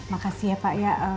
makasih ya pak